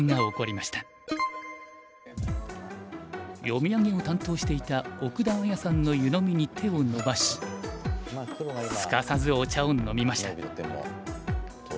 読み上げを担当していた奥田あやさんの湯飲みに手を伸ばしすかさずお茶を飲みました。